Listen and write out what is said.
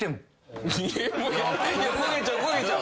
焦げちゃう焦げちゃう。